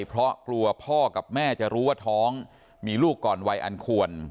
เพราะกลัวพ่อกับแม่จะรู้ว่าท้องมีลูกก่อนวัยอันควร